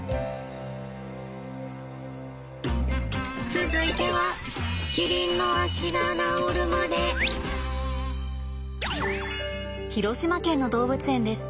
続いては広島県の動物園です。